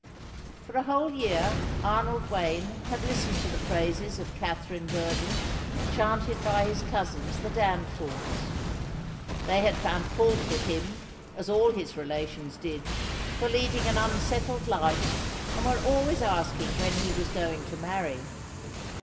For a whole year Arnold Wayne had listened to the praises of Katherine Verdon, chanted by his cousins the Danforths. They had found fault with him, as all his relations did, for leading an unsettled life, and were always asking when he was going to marry.